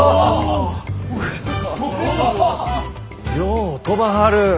よう飛ばはる。